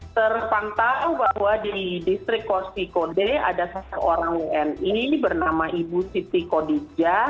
terpangtang bahwa di distrik kostikode ada seorang wni bernama ibu siti kodijah